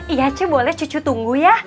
iya cu boleh cucu tunggu ya